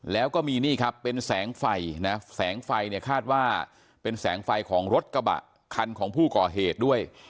แล้วก็มีนี่ครับเป็นแสงไฟนะแสงไฟเนี่ยคาดว่าเป็นแสงไฟของรถกระบะคันของผู้ก่อเหตุด้วย